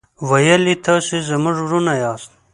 ویل یې تاسو زموږ ورونه یاست.